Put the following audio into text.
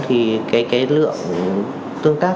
thì cái lượng tương tác